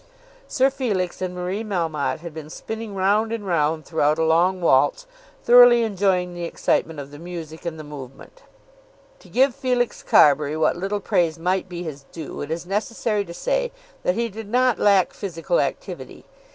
Sir Felix and Marie Melmotte had been spinning round and round throughout a long waltz, thoroughly enjoying the excitement of the music and the movement. To give Felix Carbury what little praise might be his due, it is necessary to say that he did not lack physical activity.